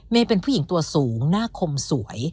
เป็นผู้หญิงตัวสูงหน้าคมสวย